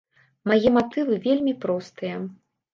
Мае матывы вельмі простыя.